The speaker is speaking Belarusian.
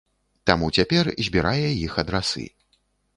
Таму цяпер збірае іх адрасы.